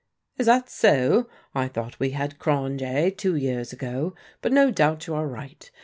"Is that so? I thought we had Cronje two years ago, but no doubt you are right.